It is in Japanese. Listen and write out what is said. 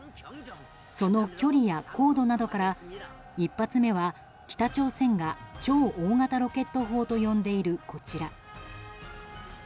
その距離や高度などから１発目は北朝鮮が超大型ロケット砲と呼んでいるこちら。